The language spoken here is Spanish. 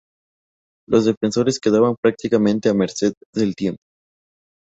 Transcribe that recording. Los defensores quedaban prácticamente a merced del tiempo.